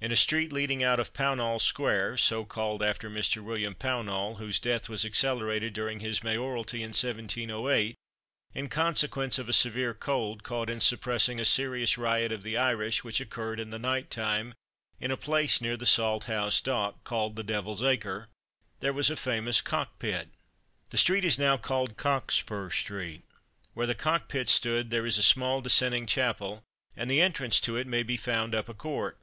In a street leading out of Pownall square (so called after Mr. William Pownall, whose death was accelerated during his mayoralty in 1708, in consequence of a severe cold, caught in suppressing a serious riot of the Irish which occurred in the night time in a place near the Salthouse Dock, called the Devil's acre), there was a famous cock pit. The street is now called Cockspur street. Where the cock pit stood there is a small dissenting chapel, and the entrance to it may be found up a court.